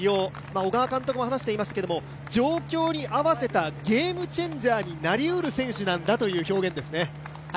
小川監督も話していましたけど、状況に合わせたゲームチェンジャーになり得る選手なんだという表現ですね。